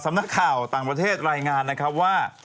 นักข่าวต่างประเทศรายงานนะครับว่า